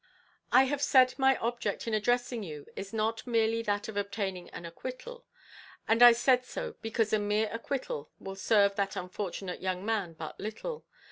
"I have said my object in addressing you is not merely that of obtaining an acquittal; and I said so because a mere acquittal will serve that unfortunate young man but little.